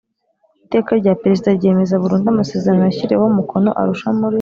Iteka rya Perezida ryemeza burundu amasezerano yashyiriweho umukono Arusha muri